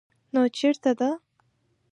_نو چېرته ده؟